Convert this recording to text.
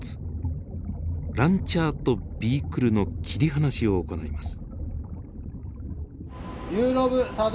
ランチャーとビークルの切り離しを行います。